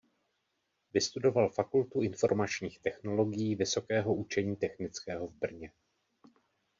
Vystudoval Fakultu informačních technologií Vysokého učení technického v Brně.